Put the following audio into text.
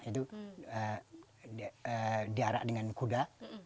itu diarahkan dengan kuda